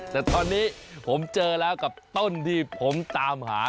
แต่ตอนนี้ผมเจอแล้วกับต้นที่ผมตามหา